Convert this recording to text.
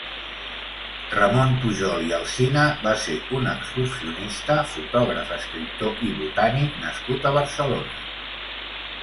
Ramon Pujol i Alsina va ser un excursionista, fotògraf, escriptor i botànic nascut a Barcelona.